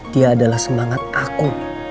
dia adalah semangat aku